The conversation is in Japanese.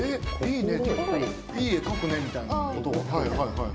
いい絵描くね」みたいなことははいはい。